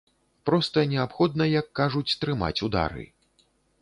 Проста неабходна, як кажуць, трымаць удары.